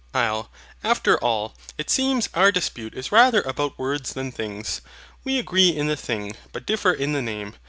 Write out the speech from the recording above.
HYL. After all, it seems our dispute is rather about words than things. We agree in the thing, but differ in the name.